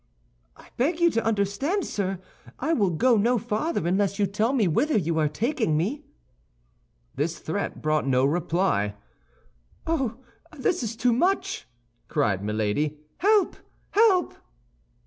"I beg you to understand, sir, I will go no farther unless you tell me whither you are taking me." This threat brought no reply. "Oh, this is too much," cried Milady. "Help! help!"